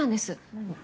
うん。